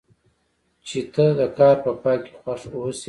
چې ته د کار په پای کې خوښ اوسې.